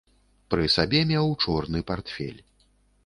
Пры сабе меў чорны партфель.